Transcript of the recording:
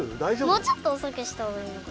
もうちょっとおそくしたほうがいいのかな。